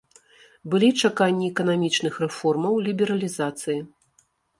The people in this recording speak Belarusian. Былі чаканні эканамічных рэформаў, лібералізацыі.